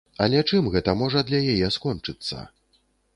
Але чым гэта можа для яе скончыцца?